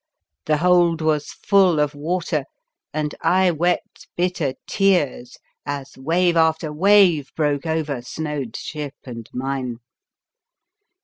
The hold was full of water, and I wept bitter tears as wave after wave broke over Snoad's ship and mine.